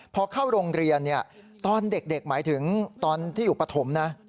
พอเข้าโรงเรียนตอนเด็กหมายถึงตอนที่อยู่ปฐมนะ